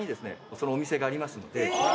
そのお店がありますので。